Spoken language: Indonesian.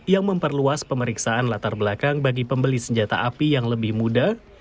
yang memperluas pemeriksaan latar belakang bagi pembeli senjata api yang lebih muda